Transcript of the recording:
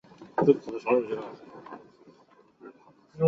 都会有休息跟坐下来的点